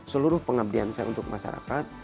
seluruh pengabdian saya untuk masyarakat